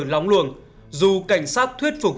lóng luồng dù cảnh sát thuyết phục